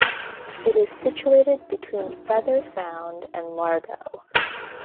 It is situated between Feather Sound and Largo.